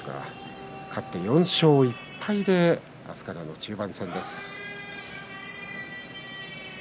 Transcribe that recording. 勝って４勝１敗で明日からの中盤戦です。